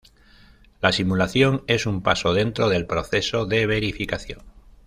La simulación es un paso dentro del proceso de verificación.